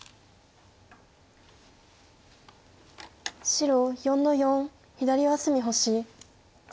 白４の四左上隅星。